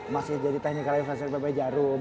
masih jadi teknikal influencer di pb jarum